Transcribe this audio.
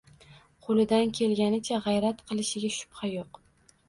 qo'lidan kelganicha g'ayrat qilishiga shubha yo'q.